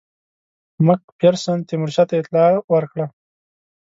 مک فیرسن تیمورشاه ته اطلاع ورکړه.